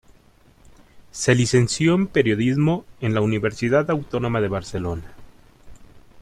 Se licenció en Periodismo en la Universidad Autónoma de Barcelona.